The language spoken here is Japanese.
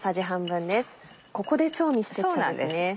ここで調味してっちゃうんですね。